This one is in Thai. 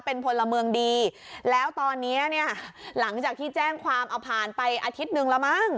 เป็นพลเมืองดีแล้วตอนนี้เนี่ยหลังจากที่แจ้งความเอาผ่านไปอาทิตย์หนึ่งแล้วมั้ง